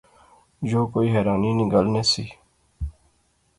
یو کوئی حیرانی نی گل نہسی